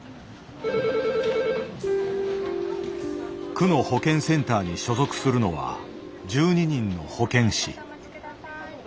区の保健センターに所属するのは１２人の保健師。